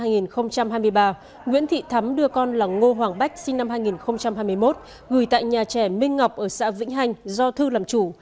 nguyễn thị thắm đưa con là ngô hoàng bách sinh năm hai nghìn hai mươi một gửi tại nhà trẻ minh ngọc ở xã vĩnh hành do thư làm chủ